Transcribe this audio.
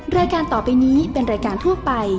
รายการต่อไปนี้เป็นรายการทั่วไป